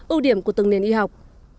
ưu điểm của từng nền y học